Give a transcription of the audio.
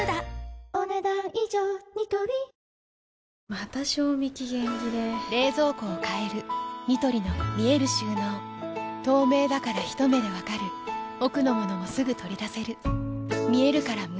また賞味期限切れ冷蔵庫を変えるニトリの見える収納透明だからひと目で分かる奥の物もすぐ取り出せる見えるから無駄がないよし。